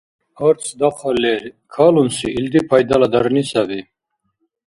Арц дахъал лер. Калунси — илди пайдаладарни саби